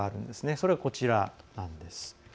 それがこちらです。